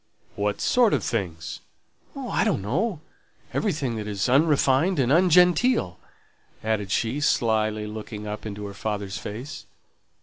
"What sort of things?" "Oh, I don't know: everything that is unrefined and ungenteel," added she, slily looking up into her father's face.